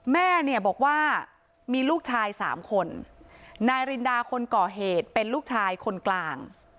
แม่เนี่ยบอกว่ามีลูกชายสามคนนายรินดาคนก่อเหตุเป็นลูกชายคนกลาง